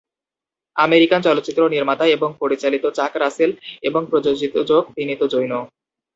American চলচ্চিত্র নির্মাতা এবং পরিচালিত চাক রাসেল এবং প্রযোজক বিনীত জৈন।